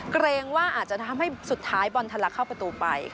เกรงว่าอาจจะทำให้สุดท้ายบอลทะลักเข้าประตูไป